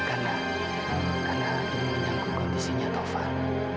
karena dia menyangkut kondisinya taufan